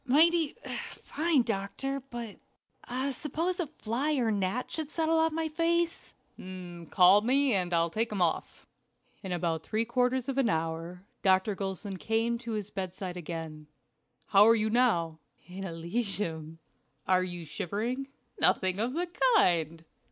"Mighty fine, doctor; but suppose a fly or a gnat should settle on my face?" "Call me and I'll take him off." In about three quarters of an hour Dr. Gulson came to his bedside again. "How are you now?" "In Elysium." "Are you shivering?" "Nothing of the kind."